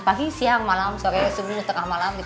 pagi siang malam sore sebelumnya setengah malam gitu ya